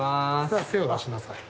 さあ手を出しなさい。